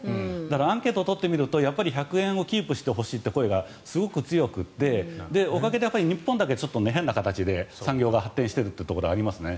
アンケートを取ってみると１００円をキープしてほしい声がすごく強くておかげで日本だけ変な形で産業が発展しているところはありますね。